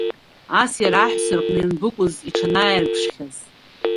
Ас иара аҳәса рҟны ианбыкәыз иҽанааирԥшхьаз?